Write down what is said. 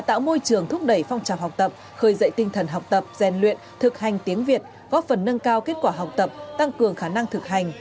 tạo môi trường thúc đẩy phong trào học tập khơi dậy tinh thần học tập gian luyện thực hành tiếng việt góp phần nâng cao kết quả học tập tăng cường khả năng thực hành